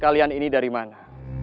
kalian ini dari mana